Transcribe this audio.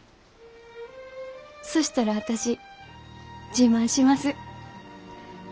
そしたら私自慢します。